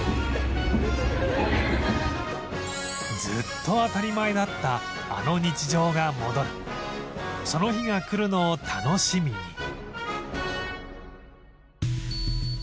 ずっと当たり前だったあの日常が戻るその日が来るのを楽しみに